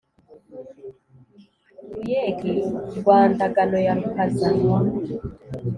ruyege rwa ndagano ya rukaza